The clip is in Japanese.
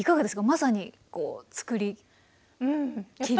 まさにこう作りきる。